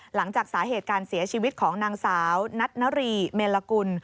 หลังจากสาเหตุการเสียชีวิตของนางสาวนัทนารีเมลกุล